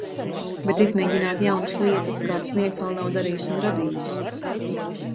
Bet izmēģināt jaunas lietas, kādas neviens vēl nav darījis un radījis.